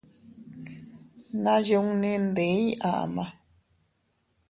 Nayunni ndiiy ama.